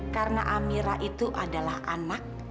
karena amira itu adalah anak